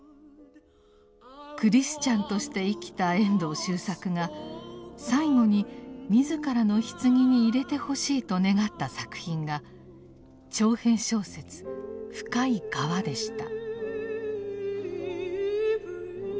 クリスチャンとして生きた遠藤周作が最後に自らのひつぎに入れてほしいと願った作品が長編小説「深い河」でした。